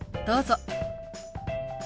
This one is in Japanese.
どうぞ。